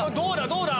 どうだ？